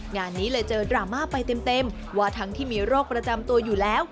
งานนี้เลยเจอดราม่าไปเต็มว่าทั้งที่มีโรคประจำตัวอยู่แล้ว